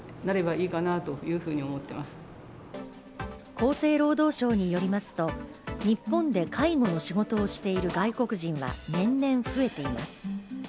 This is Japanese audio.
厚生労働省によりますと、日本で介護の仕事をしている外国人は年々増えています。